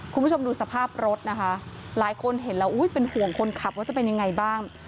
คุณผู้ชมดูสภาพรถนะคะหลายคนเห็นแล้วอุ้ยเป็นห่วงคนขับว่าจะเป็นยังไงบ้าง